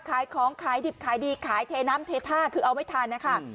ขายของขายดิบขายดีขายเทน้ำเทท่าคือเอาไม่ทันนะคะ